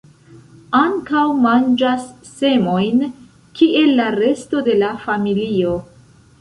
Ankaŭ manĝas semojn, kiel la resto de la familio.